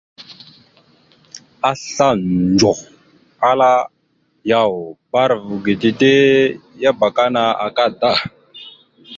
Asla ndzoh, ala: « Yaw, bbarav ge dede ya abakana akadda. ».